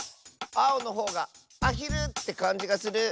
あおのほうがアヒルってかんじがする！